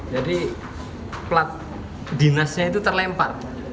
jadi plat dinasnya itu terlempar